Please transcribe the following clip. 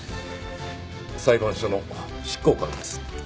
裁判所の執行官です。